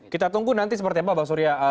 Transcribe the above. kita tunggu nanti seperti apa bang surya